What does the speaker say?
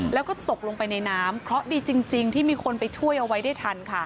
แล้วก็ตกลงไปในน้ำเคราะห์ดีจริงที่มีคนไปช่วยเอาไว้ได้ทันค่ะ